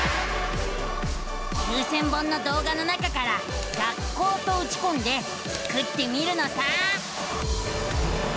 ９，０００本の動画の中から「学校」とうちこんでスクってみるのさ！